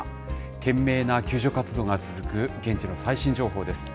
懸命な救助活動が続く現地の最新情報です。